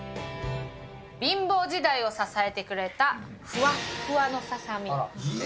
貧乏時代を支えてくれたふわっふわのささみ。